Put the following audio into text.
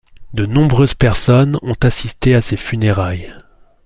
De nombreuses personnes ont assisté à ses funérailles.